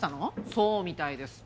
そうみたいです。